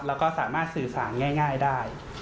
แล้วก็สามารถสื่อสารง่ายได้